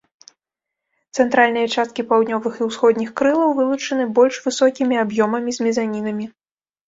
Цэнтральныя часткі паўднёвых і ўсходніх крылаў вылучаны больш высокімі аб'ёмамі з мезанінамі.